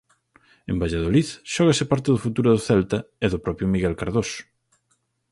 En Valladolid xógase parte do futuro do Celta e do propio Miguel Cardoso.